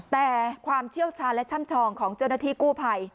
แต่ความเชี่ยวชาญและช่ำชองของเจ้าหน้าที่กู้ภัย